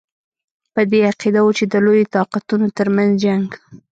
په دې عقیده وو چې د لویو طاقتونو ترمنځ جنګ.